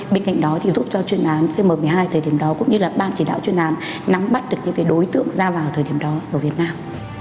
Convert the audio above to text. bên cạnh đó thì giúp cho chuyên án cm một mươi hai thời điểm đó cũng như là ban chỉ đạo chuyên án nắm bắt được những đối tượng ra vào thời điểm đó ở việt nam